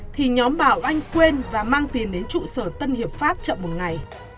thì nhóm bảo anh quên và mang tiền đến trụ sở tân hiệp pháp chậm một ngày